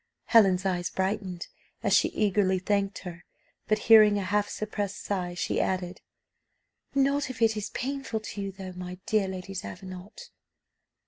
'" Helen's eyes brightened, as she eagerly thanked her: but hearing a half suppressed sigh, she added "Not if it is painful to you though, my dear Lady Davenant."